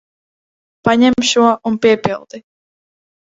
Paņem šo un piepildi.